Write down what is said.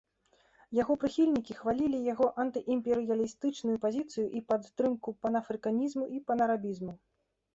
Яго прыхільнікі хвалілі яго антыімперыялістычную пазіцыю і падтрымку панафрыканізму і панарабізму.